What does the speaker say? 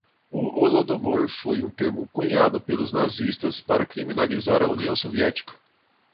O holodomor foi um termo cunhado pelos nazistas para criminalizar a União Soviética